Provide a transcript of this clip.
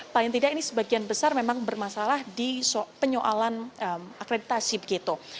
paling tidak ini sebagian besar memang bermasalah di penyoalan akreditasi begitu